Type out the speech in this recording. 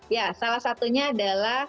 ya salah satunya adalah